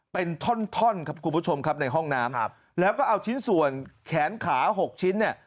เป็นท่อนท่อนครับคุณผู้ชมครับในห้องน้ำครับแล้วก็เอาชิ้นส่วนแขนขาหกชิ้นเนี่ย